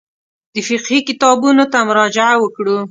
د فقهي کتابونو ته مراجعه وکړو.